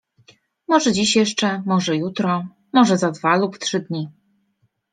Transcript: Może dziś jeszcze, może jutro, może za dwa lub trzy dni.